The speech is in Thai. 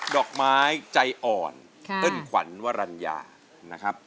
ดอกไม้ใจอ่อนเอิ้นขวัญวรรณญานะครับ